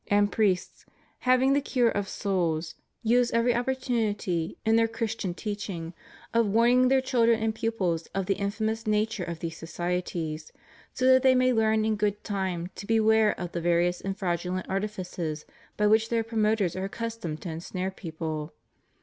106 and priests having the cure of souls, use every oppor tunity, in their Christian teaching, of warning their chil dren and pupils of the infamous nature of these societies so that they may learn in good time to beware of the various and fraudulent artifices by which their promoters are accustomed to ensnare people.